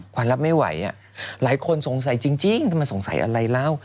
ขวัญรับไม่ไหวหลายคนสงสัยจริงทำไมสงสัยอะไรแล้ว